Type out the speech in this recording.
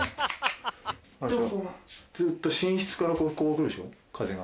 ずっと寝室からこう来るでしょ風が。